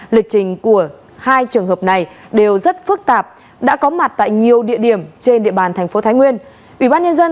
lịch trình của hai trường hợp này đều rất phức tạp đã có mặt tại nhiều địa điểm trên địa bàn thành phố thái nguyên